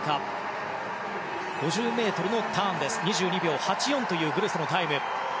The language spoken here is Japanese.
５０ｍのターンは２２秒８４というグルセのタイム。